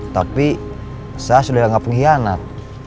tapi saya sudah tidak pengkhianat